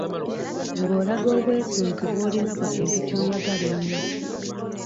Ng’olaga obwesunzi bw’olina ku kintu ky’oyagala ennyo.